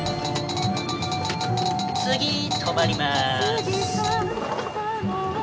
「次止まります」